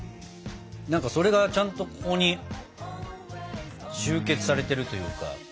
それがちゃんとここに集結されてるというか。